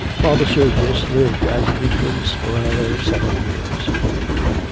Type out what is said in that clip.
IV Father Sergius lived as a recluse for another seven years.